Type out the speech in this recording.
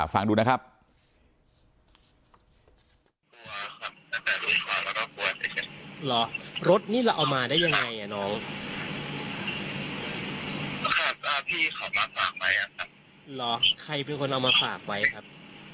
ฟังดูนะครับ